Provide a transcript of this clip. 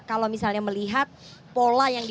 anda kalau misalnya melihat pola yang dipanggil